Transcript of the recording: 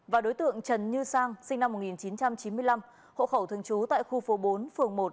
và đối tượng trần như sang sinh năm một nghìn chín trăm chín mươi năm hộ khẩu thường trú tại khu phố bốn phường một